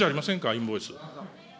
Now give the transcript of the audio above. インボイス。